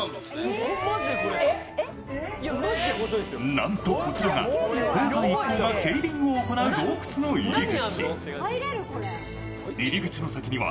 なんとこちらが今回一行がケイビングを行う洞窟の入り口。